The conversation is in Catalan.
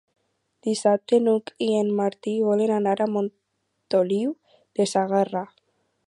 Dissabte n'Hug i en Martí volen anar a Montoliu de Segarra.